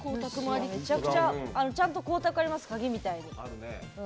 ちゃんと光沢あります鍵みたいに。